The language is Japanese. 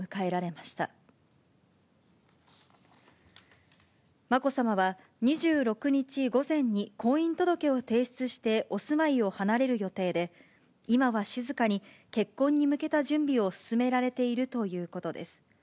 まこさまは２６日午前に、婚姻届を提出してお住まいを離れる予定で、今は静かに結婚に向けた準備を進められているということです。